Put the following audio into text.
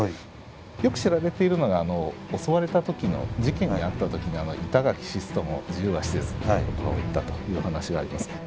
よく知られているのが襲われた時の事件にあった時に「板垣死すとも自由は死せず」っていう言葉を言ったという話があります。